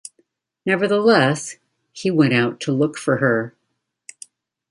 Nevertheless, he went out to look for her.